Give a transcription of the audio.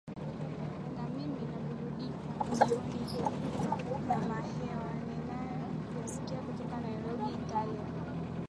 na mimi naburudikaburudika jioni hii na mahewa ninayoyasikia kutoka nairobi italia